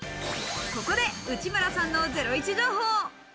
ここで内村さんのゼロイチ情報。